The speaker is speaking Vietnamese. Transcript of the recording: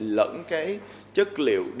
lẫn cái chất liệu đầy đủ